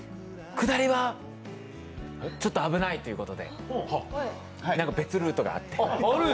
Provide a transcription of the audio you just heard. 下りは、ちょっと危ないということで、別ルートがあって。